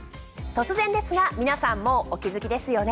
突然ですが皆さんもうお気付きですよね。